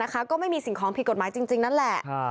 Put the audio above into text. ก็ไม่มีสิ่งของผิดกฎหมายจริงนั่นแหละ